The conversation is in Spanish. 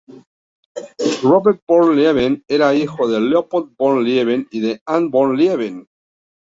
Robert von Lieben era hijo de Leopold von Lieben y de Anna von Lieben.